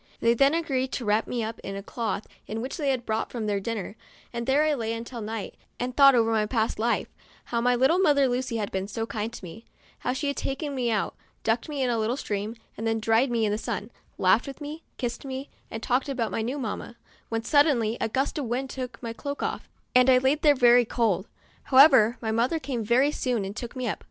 They then agreed to wrap me up in a cloth in which they had brought their dinner, and there I lay* until night and thought over my past life; how my little mother Lucy had been so kind to me; how she liad taken me out, ducked me in a little stream, then dried me in the sun, laughed with me, kissed me, and talked about my new mamma, when sud denly a gust of wind took my cloak off, and I laid there very cold. However, my mother came very soon and took me up.